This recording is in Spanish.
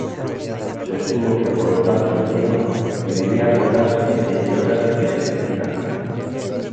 Sostuvo que por lo tanto el tema debería abordarse desde otras perspectivas.